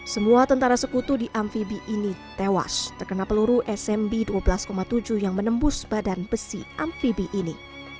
semua tentara sekutu di amfibi ini tewas terkena peluru smb dua belas tujuh yang menembus badan besi amphibie ini